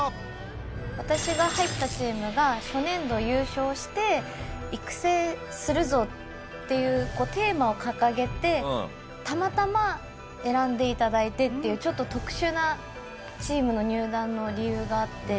私が入ったチームが初年度優勝して育成するぞっていうテーマを掲げてたまたま選んで頂いてっていうちょっと特殊なチームの入団の理由があって。